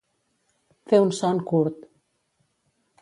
Fer un son curt.